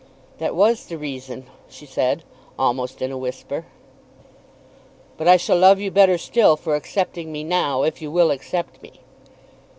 "That was the reason," she said, almost in a whisper. "But I shall love you better still for accepting me now, if you will accept me."